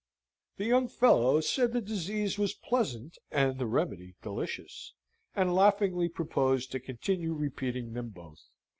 The young fellow said the disease was pleasant and the remedy delicious, and laughingly proposed to continue repeating them both.